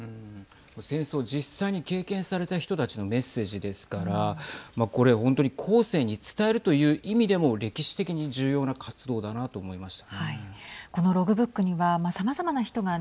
戦争、実際に経験された人たちのメッセージですからこれ本当に後世に伝えるという意味でも歴史的に重要な活動だなと思いました。